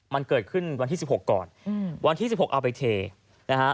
มันเกิดขึ้นวันที่สิบหกก่อนอืมวันที่สิบหกเอาไปเทนะฮะ